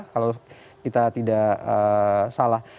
kalau kita tidak salah